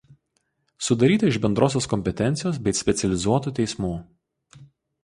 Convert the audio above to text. Sudaryta iš bendrosios kompetencijos bei specializuotų teismų.